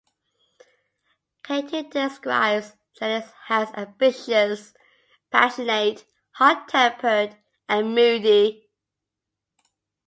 Cayton describes Jennings as "ambitious", "passionate", "hot-tempered", and "moody".